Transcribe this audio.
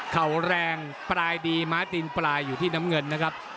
เขาแรงปลายดีม้าตีนปลายอยู่ที่น้ำเงินนะครับ